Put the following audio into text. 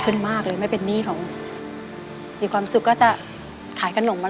ทุกวันนี้ผมอยู่กับยายสองคน